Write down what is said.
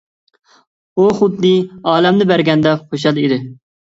ئۇ خۇددى ئالەمنى بەرگەندەك خۇشال ئىدى.